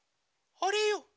あれよ。